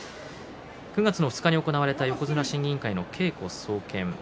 ９月２日に行われた横綱審議委員会の稽古総見。